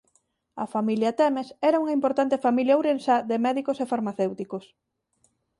A familia Temes era unha importante familia ourensá de médicos e farmacéuticos.